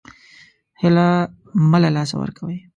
هیله مه له لاسه ورکوئ